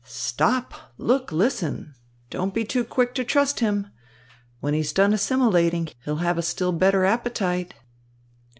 Stop, look, listen! Don't be too quick to trust him. When he's done assimilating, he'll have a still better appetite."